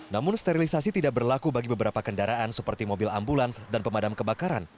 namun sterilisasi tidak berlaku bagi beberapa kendaraan seperti mobil ambulans dan pemadam kebakaran